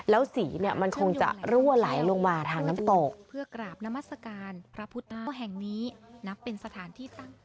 แล้วสีมันคงจะรั่วไหลลงมาทางน้ำตก